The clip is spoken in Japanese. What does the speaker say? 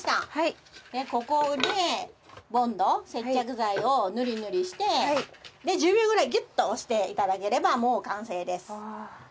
ここでボンド接着剤を塗り塗りして１０秒ぐらいぎゅっと押していただければ完成です。